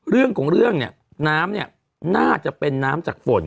เรื่องของเรื่องเนี่ยน้ำเนี่ยน่าจะเป็นน้ำจากฝน